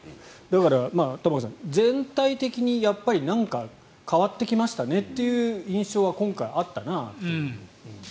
だから、玉川さん全体的にやっぱり何か変わってきましたねという印象は今回あったなと。